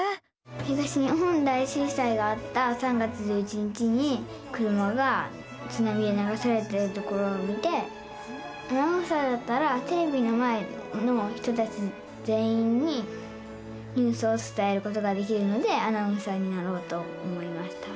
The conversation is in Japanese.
東日本大震災があった３月１１日に車がつなみでながされてるところを見てアナウンサーだったらテレビの前の人たち全員にニュースをつたえることができるのでアナウンサーになろうと思いました。